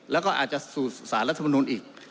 แล้วก็อาจจะสูญศาสนลัฐมนุณอีก